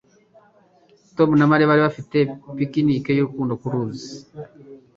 Tom na Mariya bari bafite picnic y'urukundo ku ruzi.